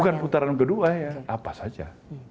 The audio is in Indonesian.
bukan putaran kedua ya apa saja